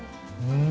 うん。